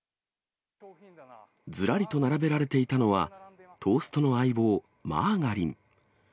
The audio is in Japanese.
ずらりと並べられていたのは、トーストの相棒、マーガリン。